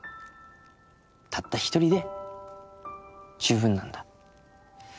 たった１人で十分なんだ。